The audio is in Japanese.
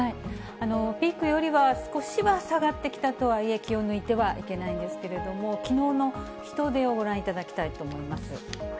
ピークよりは少しは下がってきたとはいえ、気を抜いてはいけないんですけれども、きのうの人出をご覧いただきたいと思います。